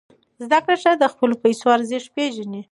زده کړه ښځه د خپلو پیسو ارزښت پېژني.